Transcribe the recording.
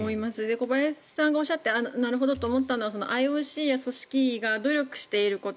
小林さんがおっしゃってなるほどと思ったのはＩＯＣや組織委が努力していること。